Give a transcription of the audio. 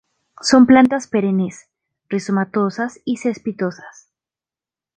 Son plantas perennes; rizomatosas y cespitosas.